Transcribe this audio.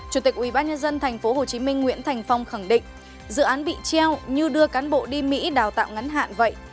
chủ tịch ubnd tp hcm nguyễn thành phong khẳng định dự án bị treo như đưa cán bộ đi mỹ đào tạo ngắn hạn vậy